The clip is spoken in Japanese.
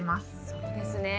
そうですね。